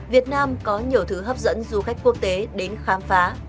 việt nam có nhiều thứ hấp dẫn du khách quốc tế đến khám phá